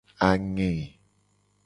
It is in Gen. Ange.